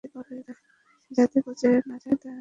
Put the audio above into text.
যাতে পঁচে না যায় তাই ঠান্ডায় রাখি।